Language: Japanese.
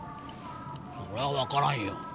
そりゃわからんよ。